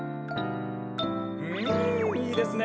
うんいいですね。